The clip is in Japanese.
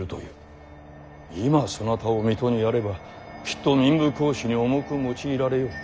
今そなたを水戸にやればきっと民部公子に重く用いられよう。